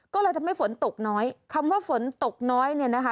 ก็เลยทำให้ฝนตกน้อยคำว่าฝนตกน้อยเนี่ยนะคะ